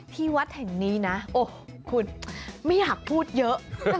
ที่วัดแห่งนี้นะโอ้โหคุณไม่อยากพูดเยอะ